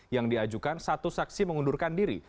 yang diajukan satu saksi mengundurkan diri